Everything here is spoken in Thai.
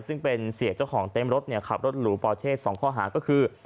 ซึ่งเป็นเสียเจ้าของเต็มรถขับรถหรูปอเชศ๒ข้อหาก็คือ